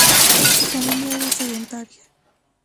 Su familia era sedentaria.